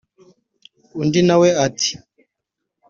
undi na we ati